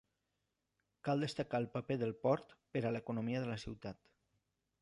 Cal destacar el paper del port per a l'economia de la ciutat.